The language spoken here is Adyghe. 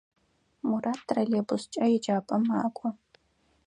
Мурат троллейбускӏэ еджапӏэм макӏо.